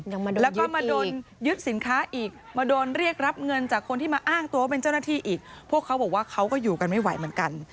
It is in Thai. มาโดนแล้วก็มาโดนยึดสินค้าอีกมาโดนเรียกรับเงินจากคนที่มาอ้างตัวว่าเป็นเจ้าหน้าที่อีกพวกเขาบอกว่าเขาก็อยู่กันไม่ไหวเหมือนกัน